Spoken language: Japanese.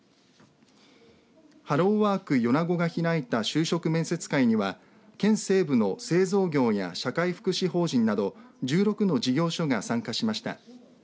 ハローワーク米子が開いた就職面接会には県西部の製造業や社会福祉法人など１６の事業所が参加しました。